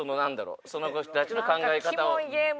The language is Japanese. その人たちの考え方を。